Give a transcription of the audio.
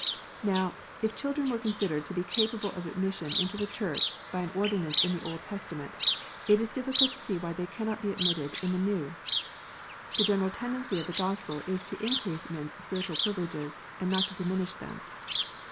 Now, if children were considered to be capable of admission into the Church by an ordinance in the Old Testament, it is difficult to see why they cannot be admitted in the New. The general tendency of the Gospel is to increase men s spiritual privileges and not to diminish them.